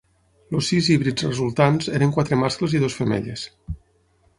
Els sis híbrids resultants eren quatre mascles i dues femelles.